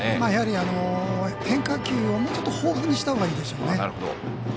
やはり、変化球をもうちょっと豊富にしたほうがいいでしょうね。